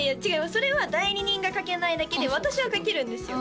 それは代理人が書けないだけで私は書けるんですよ